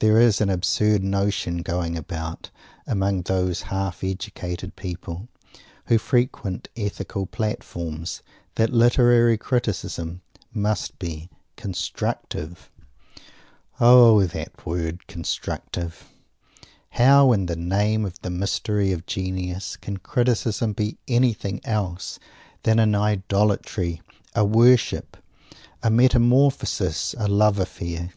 There is an absurd notion going about, among those half educated people who frequent Ethical Platforms, that Literary Criticism must be "constructive." O that word "constructive"! How, in the name of the mystery of genius, can criticism be anything else than an idolatry, a worship, a metamorphosis, a love affair!